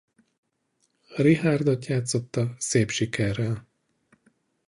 Richárdot játszotta szép sikerrel.